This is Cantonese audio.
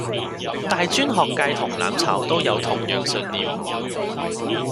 大專學界同攬炒都有同樣信念